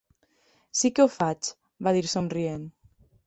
"Sí que ho faig", va dir somrient.